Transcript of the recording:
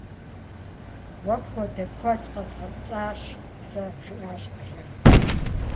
- Уэ пхуэдэ куэд къэзгъэпцӀащ сэ, - жиӏащ блэм.